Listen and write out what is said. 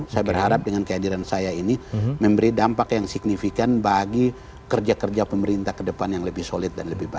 saya berharap dengan kehadiran saya ini memberi dampak yang signifikan bagi kerja kerja pemerintah ke depan yang lebih solid dan lebih baik